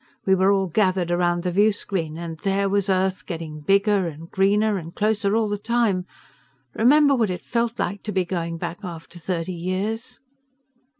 We were all gathered around the viewscreen. And there was Earth, getting bigger and greener and closer all the time. Remember what it felt like to be going back, after thirty years?"